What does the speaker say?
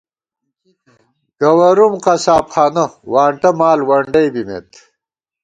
گوَرُوم قصاب خانہ ، وانٹہ مال ونڈَئی بِمېت